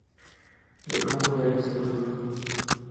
Dejó mujer y cinco hijos.